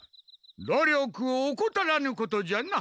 努力をおこたらぬことじゃな。